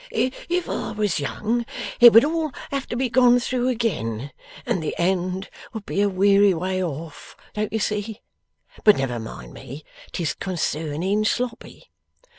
If I was young, it would all have to be gone through again, and the end would be a weary way off, don't you see? But never mind me; 'tis concerning Sloppy.